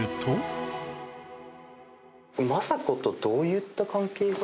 これ政子とどういった関係が？